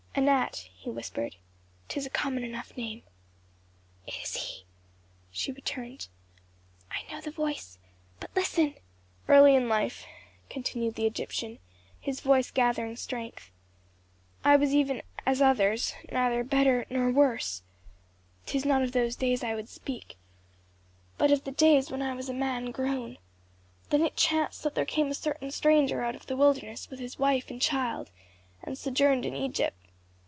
"Anat," he whispered, "'tis a common enough name." "It is he," she returned, "I know the voice but listen!" "Early in life," continued the Egyptian, his voice gathering strength, "I was even as others, neither better, nor worse, 'tis not of those days I would speak, but of the days when I was a man grown then it chanced that there came a certain stranger out of the wilderness with his wife and child, and sojourned in Egypt.